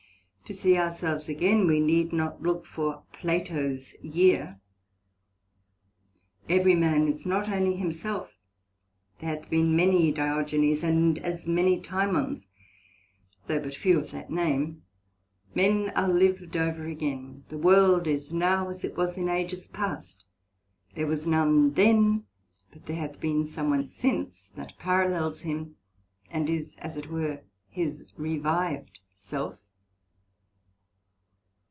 To see ourselves again, we need not look for Plato's year: every man is not only himself; there hath been many Diogenes, and as many Timons, though but few of that name; men are liv'd over again, the world is now as it was in Ages past; there was none then, but there hath been some one since that Parallels him, and is, as it were, his revived self.